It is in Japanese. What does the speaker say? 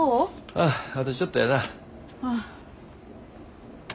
あああとちょっとやな。